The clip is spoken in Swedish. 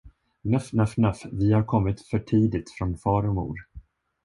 Nöff, nöff, nöff, vi har kommit för tidigt från far och mor.